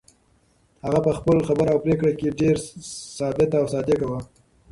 هغه په خپله خبره او پرېکړه کې ډېره ثابته او صادقه وه.